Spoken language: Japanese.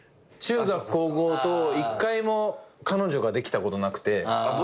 中学高校と１回も彼女ができたことなくて。